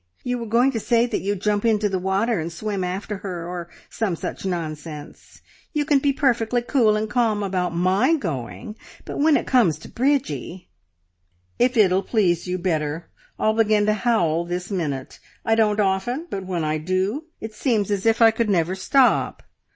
You were going to say that you'd jump into the water and swim after her, or some such nonsense. You can be perfectly cool and calm about my going, but when it comes to Bridgie " "If it'll please you better, I'll begin to howl this minute! I don't often, but when I do, it seems as if I could never stop.